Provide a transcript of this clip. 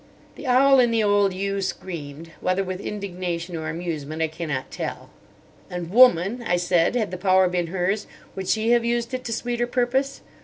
The owl in the old yew screamed, whether with indignation or amusement I cannot tell. "And woman," I said, "had the power been hers, would she have used it to sweeter purpose?